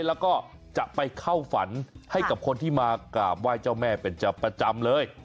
แล้วก็จะไปเข้าฝันให้กับคนที่มากราบไหว้เจ้าแม่เป็นประจำเลย